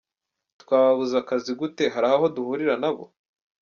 Twababuza akazi gute, hari aho duhurira na bo?”.